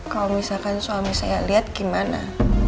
kalau misalkan suami saya lihat gimana